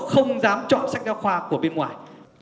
không dám chọn sách giáo khoa của bên ngoài